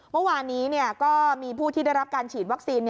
เมื่อวานนี้ก็มีผู้ที่ได้รับการฉีดวัคซีน